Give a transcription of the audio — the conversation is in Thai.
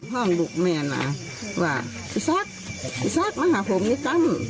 ห้องลูกแม่นะว่าพิชัตต์พิชัตต์มหาภัมษณ์นิสกรรม